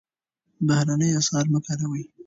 بهرني اسعار مه کاروئ.